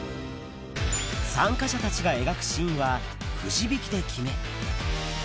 参加者たちが描くシーンはくじ引きで決め。